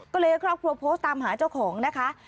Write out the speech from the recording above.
ก็เลยก็โปรโพสตามหาเจ้าของนะคะ